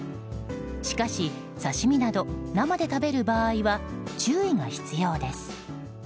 しかし刺し身など生で食べる場合は注意が必要です。